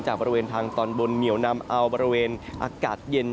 บริเวณทางตอนบนเหนียวนำเอาบริเวณอากาศเย็น